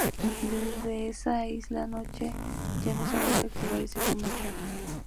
Desde esa aislada noche, ya no se ha vuelto a activar este cometa.